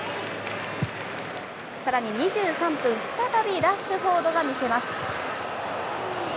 さらに２３分、再びラッシュフォードが見せます。